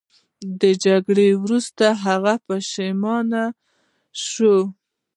د جګړې وروسته هغه پښیمانه شو.